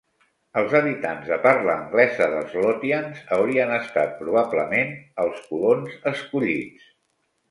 Els habitants de parla anglesa dels Lothians haurien estat probablement els colons escollits.